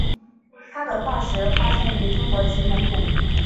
它的化石发现于中国及蒙古。